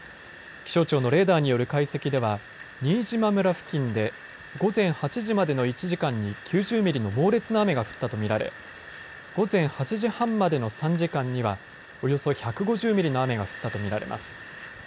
気象庁のレーダーによる解析では新島村付近で午前８時までの１時間に９０ミリの猛烈な雨が降ったと見られ午前８時半までの３時間にはおよそ１５０ミリの雨が降ったと見られます。